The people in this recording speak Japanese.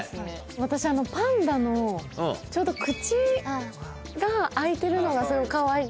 私あのパンダのちょうど口が開いてるのがすごいかわいい。